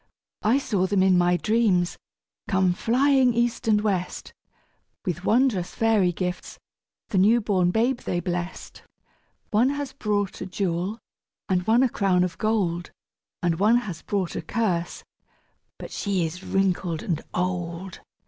I saw them in my dreams come flying east and west, With wondrous fairy gifts the new born babe they bless'd; One has brought a jewel and one a crown of gold, And one has brought a curse but she is wrinkled and old.